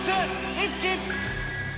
イッチ。